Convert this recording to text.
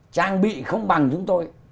trang bị không bằng chúng tôi